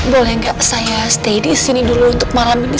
boleh gak saya stay disini dulu untuk malam ini